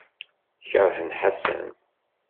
Keṛhen Ḥasan.